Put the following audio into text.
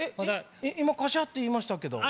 今カシャ！っていいましたけど。